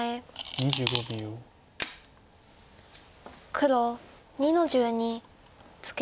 黒２の十二ツケ。